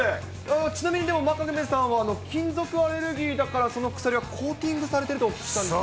ちなみにでも、真壁さんは金属アレルギーだから、その鎖はコーティングされてるとお聞きしたんですが。